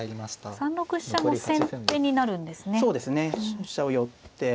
飛車を寄って。